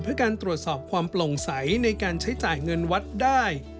เพื่อการตรวจสอบความโปร่งใสในการใช้จ่ายเงินวัดได้